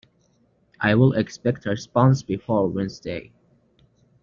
I will expect a response before Wednesday